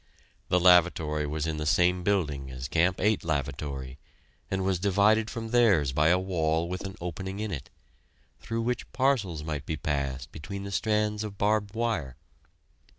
The lavatory was in the same building as Camp 8 Lavatory, and was divided from theirs by a wall with an opening in it, through which parcels might be passed between the strands of barbed wire.